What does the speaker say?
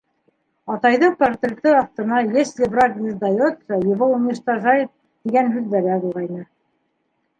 «Атай»ҙың портреты аҫтына «Если враг не сдается, его уничтожают» тигән һүҙҙәр яҙылғайны.